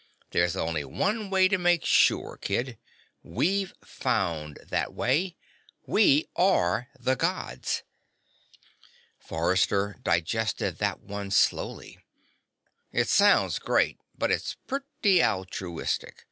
There's only one way to make sure, kid. We've found that way. We are the Gods." Forrester digested that one slowly. "It sounds great, but it's pretty altruistic.